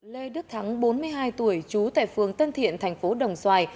lê đức thắng bốn mươi hai tuổi trú tại phường tân thiện tp đồng xoài